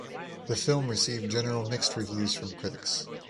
The film received general mixed reviews from critics.